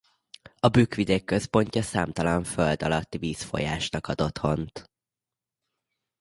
A Bükk-vidék központja számtalan földalatti vízfolyásnak ad otthont.